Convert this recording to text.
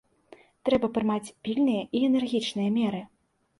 Трэба прымаць пільныя і энергічныя меры.